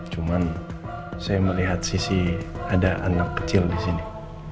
cuma saya melihat sisi ada anak kecil di sini